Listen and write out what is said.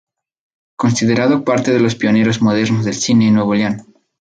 Considerado parte de los pioneros modernos del cine en Nuevo León.